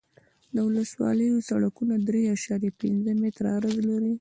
د ولسوالیو سرکونه درې اعشاریه پنځه متره عرض لري